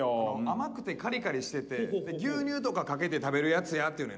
甘くてカリカリしてて牛乳とかかけて食べるやつやって言うねんな。